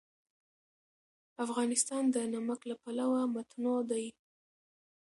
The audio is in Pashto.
افغانستان د نمک له پلوه متنوع دی.